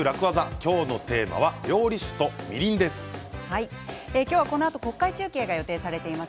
今日のテーマは料理酒とみりんです。